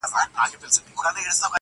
• مګر که د پیغام له اړخه ورته وکتل سي -